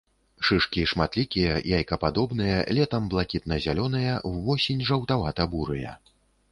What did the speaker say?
Шышкі шматлікія, яйкападобныя, летам блакітна-зялёныя, увосень жаўтавата-бурыя.